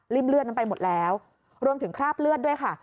เลือดนั้นไปหมดแล้วรวมถึงคราบเลือดด้วยค่ะ